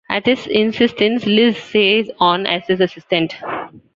At his insistence, Liz stays on as his assistant.